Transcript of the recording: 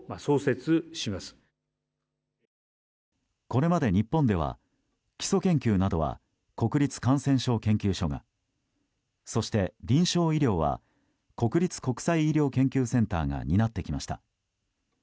これまで日本では基礎研究などは国立感染症研究所がそして、臨床医療は国立国際医療研究センターが担ってきました。